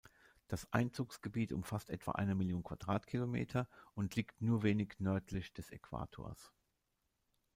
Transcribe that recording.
Das Einzugsgebiet umfasst etwa eine Million Quadratkilometer und liegt nur wenig nördlich des Äquators.